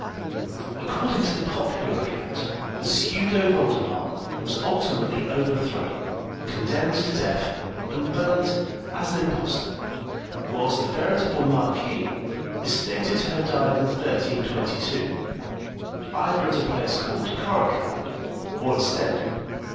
According to the popular account, the pseudo Voldemar was ultimately overthrown, condemned to death, and burnt as an impostor; whilst the veritable Marquis is stated to have died in 1322, either at a place called Korekei, or at Stendell.